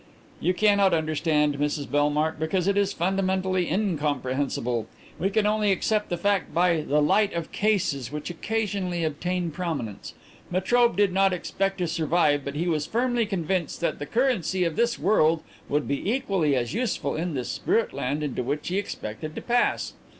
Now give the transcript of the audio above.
"You cannot understand, Mrs Bellmark, because it is fundamentally incomprehensible. We can only accept the fact by the light of cases which occasionally obtain prominence. Metrobe did not expect to survive, but he was firmly convinced that the currency of this world would be equally useful in the spirit land into which he expected to pass.